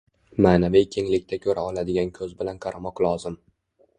– ma’naviy kenglikda ko‘ra oladigan ko‘z bilan qaramoq lozim